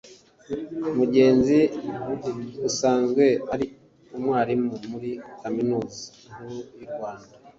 Mugenzi asanzwe ari umwarimu muri Kaminuza Nkuru y’u Rwanda